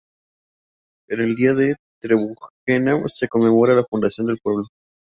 En el día de Trebujena se conmemora la fundación del pueblo.